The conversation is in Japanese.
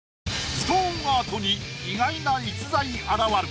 ストーンアートに意外な逸材現る。